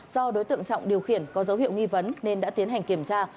do đối tượng trọng điều khiển có dấu hiệu nghi vấn nên đã tiến hành kiểm tra